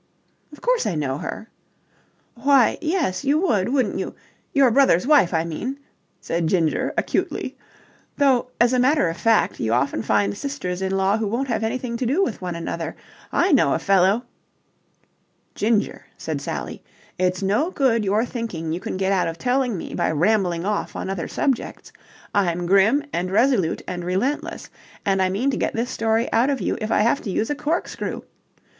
"Of course I know her." "Why, yes, you would, wouldn't you? Your brother's wife, I mean," said Ginger acutely. "Though, as a matter of fact, you often find sisters in law who won't have anything to do with one another. I know a fellow..." "Ginger," said Sally, "it's no good your thinking you can get out of telling me by rambling off on other subjects. I'm grim and resolute and relentless, and I mean to get this story out of you if I have to use a corkscrew.